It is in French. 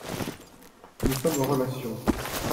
Nous sommes en relation.